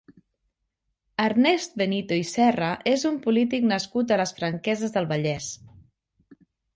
Ernest Benito i Serra és un polític nascut a les Franqueses del Vallès.